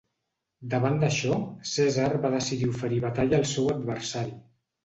Davant d'això, Cèsar va decidir oferir batalla al seu adversari.